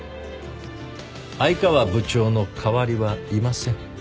愛川部長の代わりはいません。